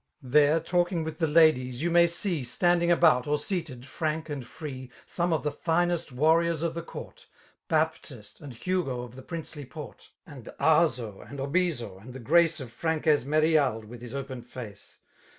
There, talking with the ladies, you may see. Standing about, or seated, frank and free. Some of the finest warriors of the court, ^ Baptist, and Hugo of the princely port. And Azo, and Obizo, and the grace Of frank Esmeriald with his open iace.